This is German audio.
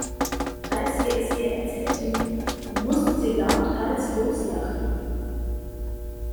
Als wir es ihr erzählten, musste sie lauthals loslachen.